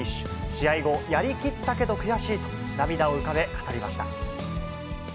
試合後、やりきったけど悔しいと涙を浮かべ、語りました。